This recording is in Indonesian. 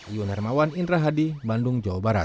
iwan hermawan indra hadi bandung jawa barat